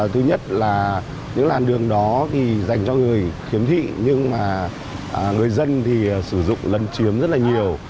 thứ nhất là những làn đường đó thì dành cho người khiếm thị nhưng mà người dân thì sử dụng lân chiếm rất là nhiều